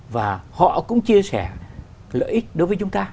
và họ cũng chia sẻ lợi ích đối với chúng ta